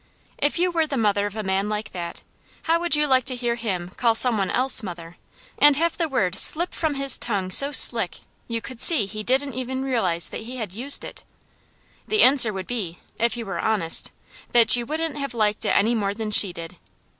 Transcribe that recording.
If you were the mother of a man like that, how would you like to hear him call some one else mother, and have the word slip from his tongue so slick you could see he didn't even realize that he had used it? The answer would be, if you were honest, that you wouldn't have liked it any more than she did.